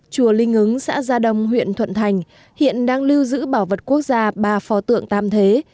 chùa linh ứng xã gia đông huyện thuận thành hiện đang lưu giữ bảo vật quốc gia ba phò tượng tam thế